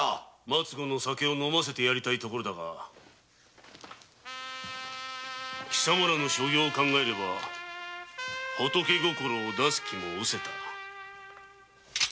・末期の酒を飲ませてやりたいが。貴様らの所業を考えれば仏心を出す気もうせた。